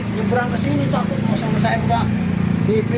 kalau nyeburang ke sini saya nggak panik